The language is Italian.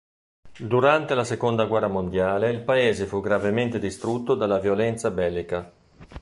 Durante la seconda guerra mondiale il paese fu gravemente distrutto dalla violenza bellica.